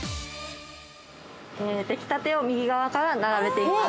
◆できたてを右側から並べていきます。